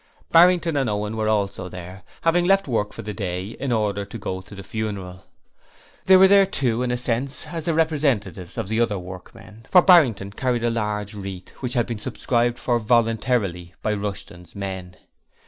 Barrington and Owen were also there, having left work for the day in order to go to the funeral. They were there too in a sense as the representatives of the other workmen, for Barrington carried a large wreath which had been subscribed for voluntarily by Rushton's men.